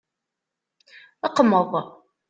Qmeḍ.